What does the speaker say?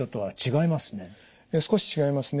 ええ少し違いますね。